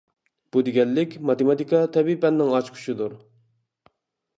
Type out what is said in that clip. بۇ دېگەنلىك ماتېماتىكا تەبىئىي پەننىڭ ئاچقۇچىدۇر.